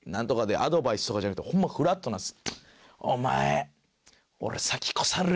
アドバイスとかじゃなくてホンマフラットなんです。